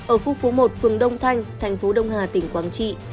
ở khu phố một phường đông thanh thành phố đông hà tỉnh quảng trị